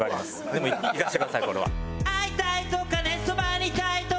でもいかせてくださいこれは。